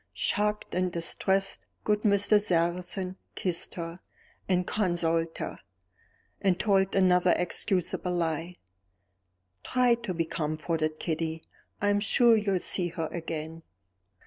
Shocked and distressed, good Mr. Sarrazin kissed her, and consoled her, and told another excusable lie. "Try to be comforted, Kitty; I'm sure you will see her again."